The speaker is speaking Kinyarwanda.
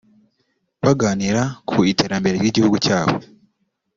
baganira ku iterambere ry’igihugu cyabo